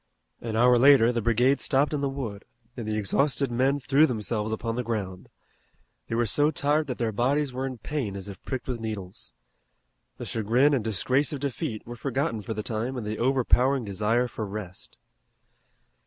An hour later the brigade stopped in the wood, and the exhausted men threw themselves upon the ground. They were so tired that their bodies were in pain as if pricked with needles. The chagrin and disgrace of defeat were forgotten for the time in the overpowering desire for rest.